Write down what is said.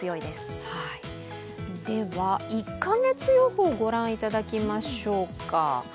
では、１カ月予報を御覧いただきましょうか。